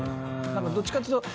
何かどっちかっていうと。